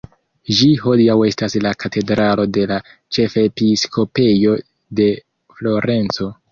Ĝi hodiaŭ estas la katedralo de la ĉefepiskopejo de Florenco.